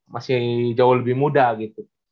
masih jauh lebih muda gitu